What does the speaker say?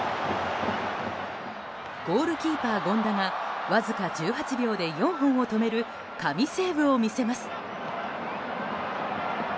ゴールキーパー権田がわずか１８秒で４本を止める神セーブを見せます。